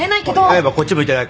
やいばこっち向いてないか？